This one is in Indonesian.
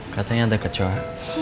katanya ada kecoa